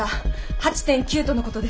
８．９とのことです。